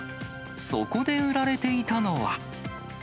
そこで売られていたのは。